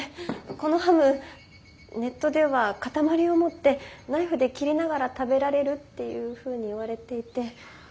このハムネットでは塊を持ってナイフで切りながら食べられるっていうふうに言われていてあの。